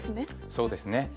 そうですね。